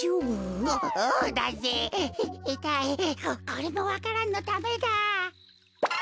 ここれもわか蘭のためだ。